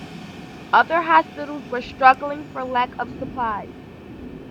Other hospitals were struggling for lack of supplies.